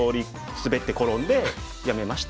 滑って転んでやめました。